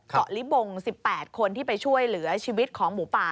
เกาะลิบง๑๘คนที่ไปช่วยเหลือชีวิตของหมูป่า